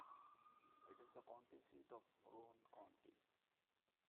It is the county seat of Roane County.